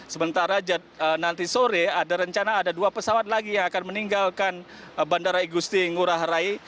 sementara nanti sore ada rencana ada dua pesawat lagi yang akan meninggalkan bandara igusti ngurah rai